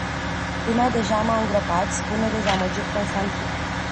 Lumea deja m-a îngropat, spune dezamăgit Constantin.